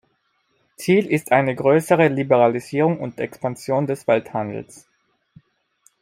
Ziel ist eine größere Liberalisierung und Expansion des Welthandels.